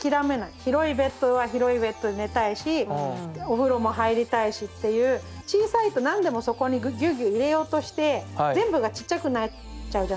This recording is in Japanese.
広いベッドは広いベッドで寝たいしお風呂も入りたいしっていう小さいと何でもそこにぎゅうぎゅう入れようとして全部がちっちゃくなっちゃうじゃないですか。